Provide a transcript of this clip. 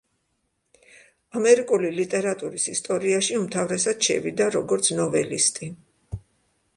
ამერიკული ლიტერატურის ისტორიაში უმთავრესად შევიდა როგორც ნოველისტი.